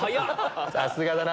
さすがだな！